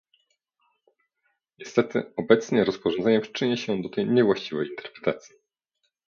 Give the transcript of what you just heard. Niestety obecnie rozporządzenie przyczyni się do tej niewłaściwej interpretacji